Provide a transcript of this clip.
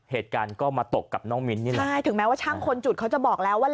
เหตุการณ์ก็มาตกกับน้องมิ้นนี่แหละใช่ถึงแม้ว่าช่างคนจุดเขาจะบอกแล้วว่า